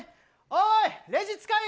おい、レジ使い。